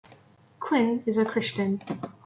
Quinn is a Christian.